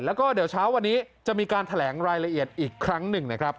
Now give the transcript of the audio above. แล้วก็เดี๋ยวเช้าวันนี้จะมีการแถลงรายละเอียดอีกครั้งหนึ่งนะครับ